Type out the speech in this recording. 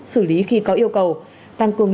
xử lý khi có yêu cầu tăng cường